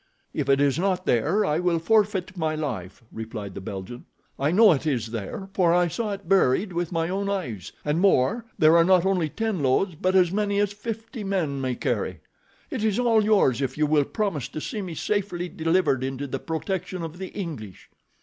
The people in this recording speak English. "If it is not there I will forfeit my life," replied the Belgian. "I know it is there, for I saw it buried with my own eyes. And more—there are not only ten loads, but as many as fifty men may carry. It is all yours if you will promise to see me safely delivered into the protection of the English."